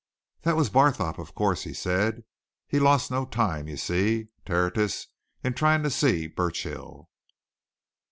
"That was Barthorpe, of course," he said. "He lost no time, you see, Tertius, in trying to see Burchill."